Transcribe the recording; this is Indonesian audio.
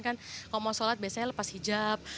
kalau mau solat biasanya lepas hijab